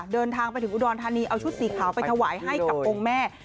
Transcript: เดินทางไปถึงอุดรธานีเอาชุดสีขาวไปถวายให้กับองค์แม่